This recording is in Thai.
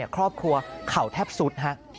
ครอบครัวเข่าแทบสุดฮะ